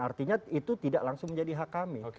artinya itu tidak langsung menjadi hak kami